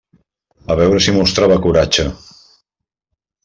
A veure si mostrava coratge.